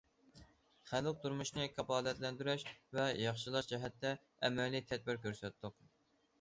خەلق تۇرمۇشىنى كاپالەتلەندۈرۈش ۋە ياخشىلاش جەھەتتە ئەمەلىي تەدبىر كۆرسەتتۇق.